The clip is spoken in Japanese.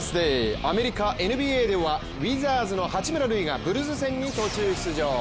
アメリカＮＢＡではウィザーズの八村塁がブルズ戦に途中出場。